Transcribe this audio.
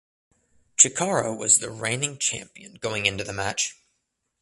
Chikara was the reigning champion going into the match.